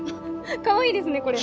かわいいですねこれね。